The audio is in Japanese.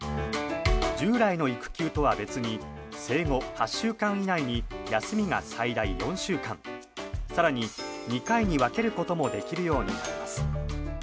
従来の育休とは別に生後８週間以内に休みが最大４週間更に、２回に分けることもできるようになります。